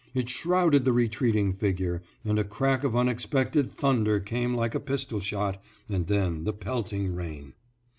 It shrouded the retreating figure, and a crack of unexpected thunder came like a pistol shot, and then the pelting rain.